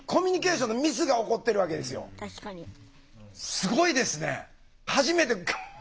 すごいですね。